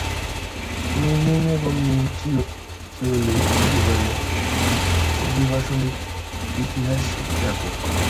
Mucciolo এবং Muccioli পরিবারের অভিবাসন ইতিহাস ব্যাপক।